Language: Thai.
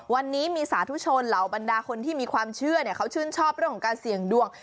วันนี้มีสาธุชนเหล่าบรรดาคนที่มีความเชื่อเขาชื่นชอบเรื่องของการเสี่ยงดวง